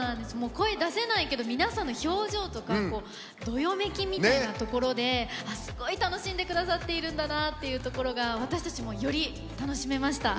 声出せないけど皆さんの表情とかどよめきみたいなところですごい楽しんでくださっているんだなっていうところが私たちもより楽しめました。